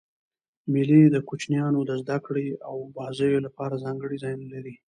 مېلې د کوچنيانو د زدهکړي او بازيو له پاره ځانګړي ځایونه لري.